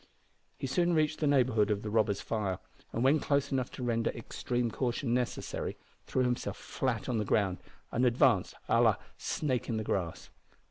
He soon reached the neighbourhood of the robbers' fire, and, when close enough to render extreme caution necessary, threw himself flat on the ground and advanced a la "snake in the grass."